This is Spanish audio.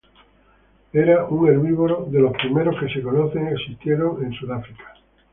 Era un herbívoro, de los primeros que se conoce existieron en Sudáfrica.